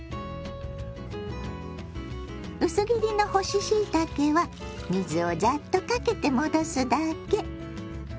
薄切りの干ししいたけは水をザッとかけて戻すだけ。